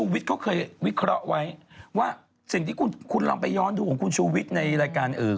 วิเคราะห์ไว้ว่าสิ่งที่คุณลองไปย้อนดูของคุณชูวิตในรายการ